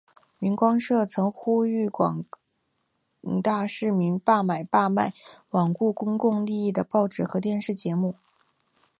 明光社曾刊登广告呼吁市民罢买罢看罔顾公众利益的报纸及电视节目。